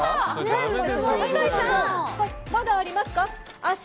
まだありますか？